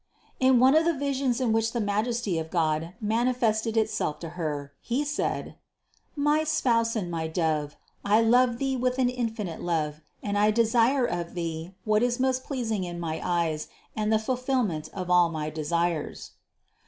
In one of the visions in which the Majesty of God manifested Itself to Her, He said: "My Spouse and my Dove, I love thee with an infinite love and I desire of thee what is most pleasing in my eyes and the fulfillment of all my desires.